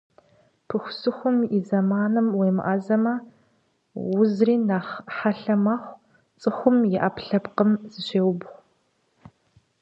Пыхусыхум и зэманым уемыӀэзэмэ, узри нэхъ хьэлъэ мэхъу, цӀыхум и Ӏэпкълъэпкъым зыщеубгъу.